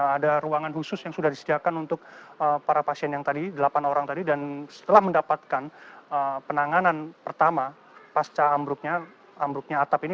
ada ruangan khusus yang sudah disediakan untuk para pasien yang tadi delapan orang tadi dan setelah mendapatkan penanganan pertama pasca ambruknya atap ini